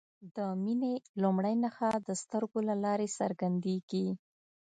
د مینې لومړۍ نښه د سترګو له لارې څرګندیږي.